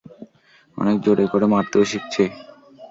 অনেক জোরে করে মারতেও শিখছে!